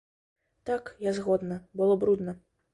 Так, я згодна, было брудна.